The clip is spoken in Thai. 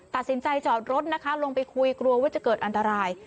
ตัดสินใจจอดรถนะคะลงไปคุยกลัวว่าจะเกิดอันตราย